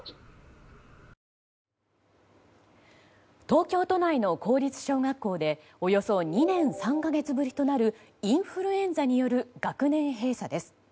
東京都内の公立小学校でおよそ２年３か月ぶりとなるインフルエンザによる学年閉鎖です。